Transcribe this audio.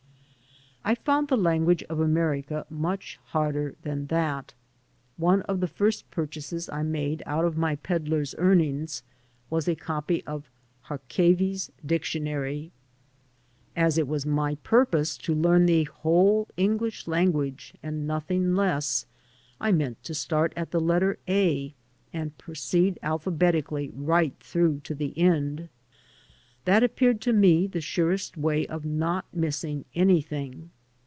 I found the language of America much harder than that. One of the first piu*chases I made out of my peddler's earnings was a copy of Harkavy's Dictionary. As it was my purpose to learn the whole English lan guage and nothing less^ I meant to start at the letter A and proceed alphabeticaUy right through to the end. That appeared to me the surest way of not missing anything.